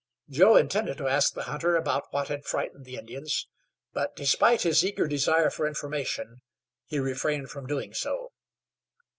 Joe intended to ask the hunter about what had frightened the Indians, but despite his eager desire for information, he refrained from doing so.